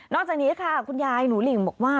จากนี้ค่ะคุณยายหนูหลิ่งบอกว่า